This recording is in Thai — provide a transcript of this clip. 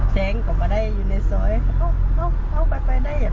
เจ้งกลับมาได้อยู่ในสวยเอ้าเอ้าเอ้าไปไปได้เหรอ